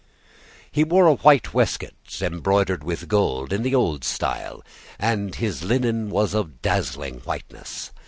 He wore a white waistcoat embroidered with gold, in the old style, and his linen was of dazzling whiteness.